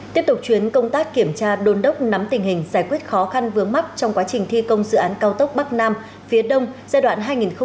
tiếp tục chuyến công tác kiểm tra đôn đốc nắm tình hình giải quyết khó khăn vướng mắt trong quá trình thi công dự án cao tốc bắc nam phía đông giai đoạn hai nghìn một mươi sáu hai nghìn hai mươi